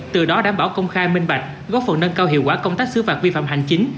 từ đó đảm bảo công khai minh bạch góp phần nâng cao hiệu quả công tác xứ phạt vi phạm hành chính